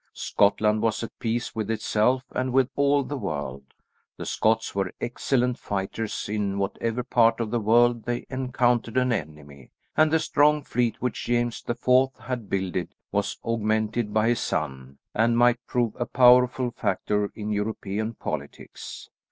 Scotland was at peace with itself and with all the world. The Scots were excellent fighters in whatever part of the world they encountered an enemy, and the strong fleet which James the Fourth had builded was augmented by his son and might prove a powerful factor in European politics.